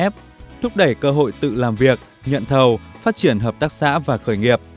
f thúc đẩy cơ hội tự làm việc nhận thầu phát triển hợp tác xã và khởi nghiệp